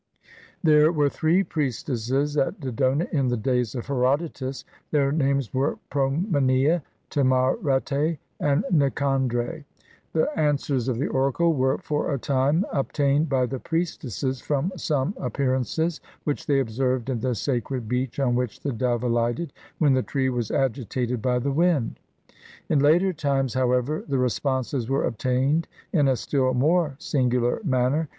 There were three priestesses at Dodona in the days of Herodotus. Their names were Promenea, Timarete, and Nicandre. The answers of the oracle were, for a time, obtained by the priestesses from some appear ances which they observed in the sacred beech on which the dove ahghted, when the tree was agitated by the wind. In later times, however, the responses were ob tained in a still more singular manner.